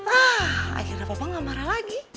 ah akhirnya papa gak marah lagi